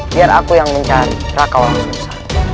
biar aku yang mencari rakawang tsursa